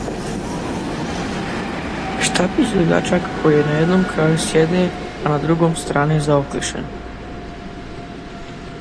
Štapić dugačak koji je na jednom kraju s jedne a na drugom strane zaoklišen.